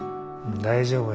大丈夫や。